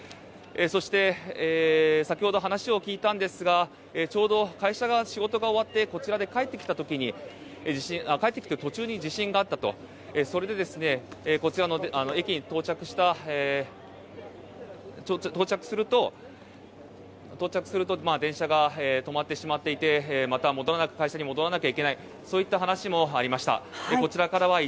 そして、先ほど話を聞いたんですがちょうど会社で仕事が終わってこちらで帰ってきている途中に地震があったと、それで、こちらの駅に到着すると電車が止まってしまっていてまた会社に戻らなくてはいけないといった話もありました。